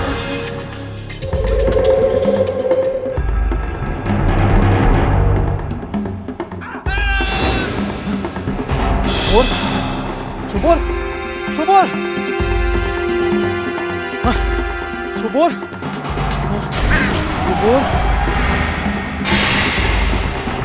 nyai nyai kok nyari selalu yang lu